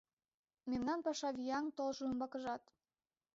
Мемнан паша вияҥ толжо умбакыжат!